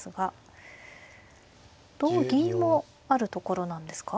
同銀もあるところなんですか？